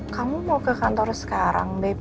kamu mau ke kantor sekarang